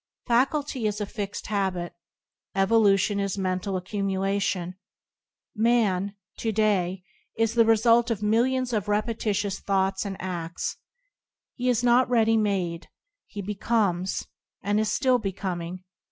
Faculty is fixed habit. Evolution is mental accumulation. Man, to day, is the result of millions of repetitious thoughts and afts. He is not ready made, he becomes, and is still becoming.